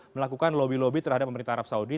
melakukan lobby lobby terhadap pemerintah arab saudi